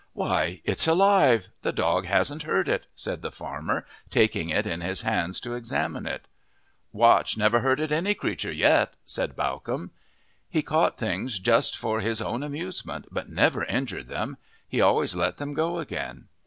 "Why, it's alive the dog hasn't hurt it," said the farmer, taking it in his hands to examine it. "Watch never hurted any creature yet," said Bawcombe. He caught things just for his own amusement, but never injured them he always let them go again.